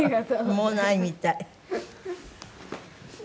もうないみたい。